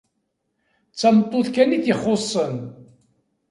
D tameṭṭut kan i t-ixuṣṣen.